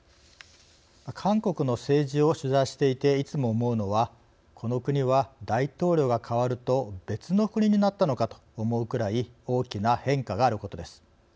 韓国の政治を取材していていつも思うのはこの国は大統領が代わると別の国になったのかと思うくらい大きな変化があることです。